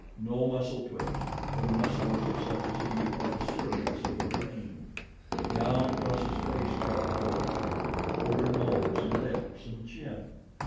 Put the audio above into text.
No muscle twitched, for the muscles of such as he are the servants of the brain. Down across his face crept the horrid thing over nose and lips and chin.